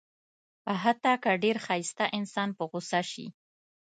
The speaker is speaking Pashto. حتی که ډېر ښایسته انسان په غوسه شي.